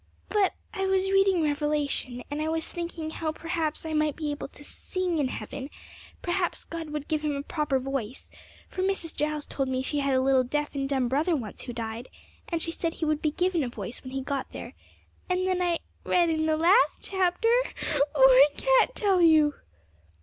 But I was reading Revelation, and I was thinking how perhaps he might be able to sing in heaven, perhaps God would give him a proper voice for Mrs. Giles told me she had a little deaf and dumb brother once who died, and she said he would be given a voice when he got there; and then I read in the last chapter oh, I can't tell you!'